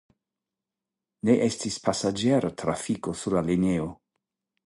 Ne estis pasaĝera trafiko sur la linio.